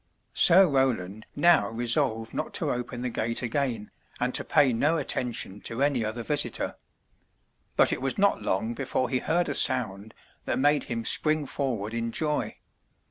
Sir Roland now resolved not to open the gate again, and to pay no attention to any other visitor. But it was not long before he heard a sound that made him spring forward in joy.